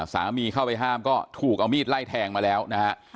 สามีเข้าไปห้ามก็ถูกเอามีดไล่แทงมาแล้วนะฮะ